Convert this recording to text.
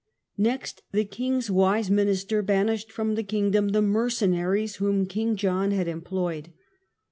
Next the king's wise minister banished from the kingdom the mercenaries whom King John had employed.